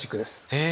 へえ！